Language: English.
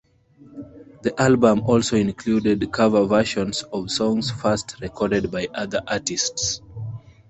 The album also included cover versions of songs first recorded by other artists.